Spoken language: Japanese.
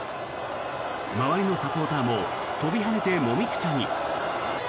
周りのサポーターも飛び跳ねて、もみくちゃに。